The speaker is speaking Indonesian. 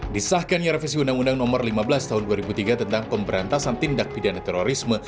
disahkannya revisi undang undang nomor lima belas tahun dua ribu tiga tentang pemberantasan tindak pidana terorisme